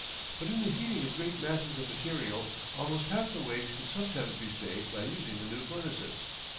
But in the heating of great masses of material, almost half the waste could sometimes be saved by using the new furnaces.